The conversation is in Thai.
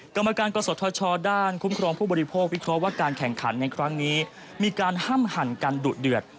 กรรมการกศธชด้านคุ้มครองผู้บริโภควิเคราะห์ว่าการแข่งขันในครั้งนี้มีการห้ามหั่นกันดุเดือด